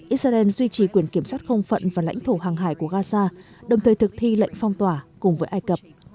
israel duy trì quyền kiểm soát không phận và lãnh thổ hàng hải của gaza đồng thời thực thi lệnh phong tỏa cùng với ai cập